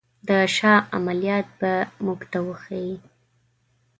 د شاه عملیات به موږ ته وښيي.